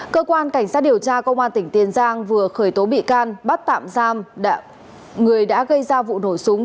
cơ quan cảnh sát điều tra công an tỉnh tiền giang vừa khởi tố bị can bắt tạm giam người đã gây ra vụ nổ súng